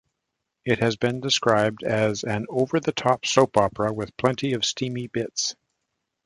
It has been described as "over-the-top soap opera with plenty of steamy bits".